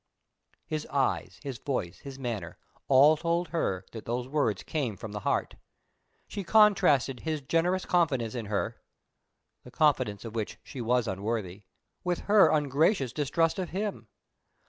His eyes, his voice, his manner, all told her that those words came from the heart. She contrasted his generous confidence in her (the confidence of which she was unworthy) with her ungracious distrust of him.